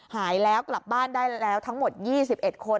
หายแล้วกลับบ้านได้แล้วทั้งหมด๒๑คน